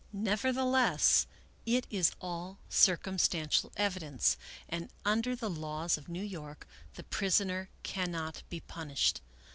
Nevertheless, it is all circumstantial evidence, and under the laws of New York the prisoner cannot be punished.